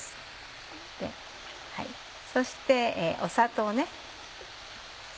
そして砂糖ね。